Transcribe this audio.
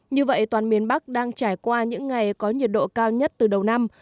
như vậy toàn miền bắc đang trải qua những ngày có nhiệt độ cao nhất từ đầu năm